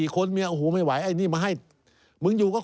เขาก็ไล่ออก